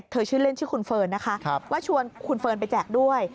ชื่อเล่นชื่อคุณเฟิร์นนะคะว่าชวนคุณเฟิร์นไปแจกด้วย